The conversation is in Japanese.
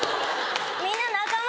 みんな仲間。